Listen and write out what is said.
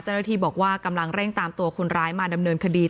เจ้าหน้าที่บอกว่ากำลังเร่งตามตัวคนร้ายมาดำเนินคดี